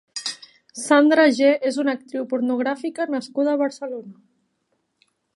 Sandra G és una actriu pornogràfica nascuda a Barcelona.